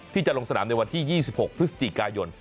ที่จะลงสนามในวันที่๒๖พฤศจิกายน